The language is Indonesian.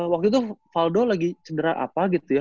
waktu itu valdo lagi cenderara apa gitu ya